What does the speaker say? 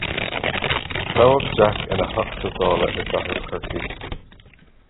Toghadh Jack ina Theachta Dála i gcathair Chorcaí.